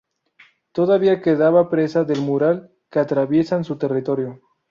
Todavía quedaba presa del mural que atraviesan su territorio.